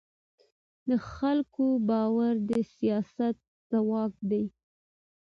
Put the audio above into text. د خلکو باور د سیاست ځواک دی